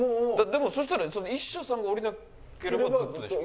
でもそしたらその１社さんが降りなければずっとでしょ？